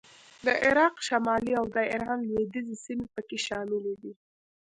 د عراق شمالي او د ایران لوېدیځې سیمې په کې شاملې دي